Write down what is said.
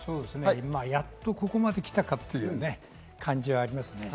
やっとここまできたかという感じはありますね。